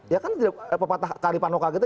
ya kan pepatah kalipanoka kita